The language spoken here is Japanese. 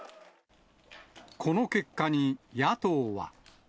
この結果に、野党は。